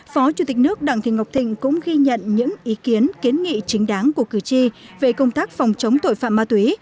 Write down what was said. phó chủ tịch nước đặng thị ngọc thịnh cũng ghi nhận những ý kiến kiến nghị chính đáng của cử tri về công tác phòng chống tội phạm ma túy